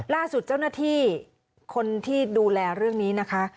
ล่าสุดเจ้าหน้าที่คนที่ดูแลเรื่องนี้นะคะ